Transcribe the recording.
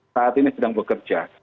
saat ini sedang bekerja